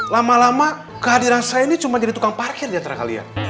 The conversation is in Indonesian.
lama lama kehadiran saya ini cuma jadi tukang parkir jatra kalian